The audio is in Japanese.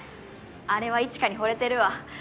あれは一華に惚れてるわ。